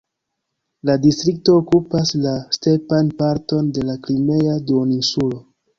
La distrikto okupas la stepan parton de la Krimea duoninsulo.